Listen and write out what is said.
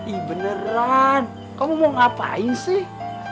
ih beneran kamu mau ngapain sih